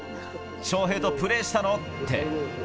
翔平とプレーしたの？って。